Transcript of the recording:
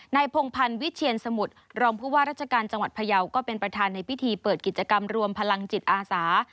พงพันธ์วิเชียนสมุทรรองผู้ว่าราชการจังหวัดพยาวก็เป็นประธานในพิธีเปิดกิจกรรมรวมพลังจิตอาสา